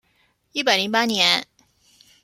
一百零八年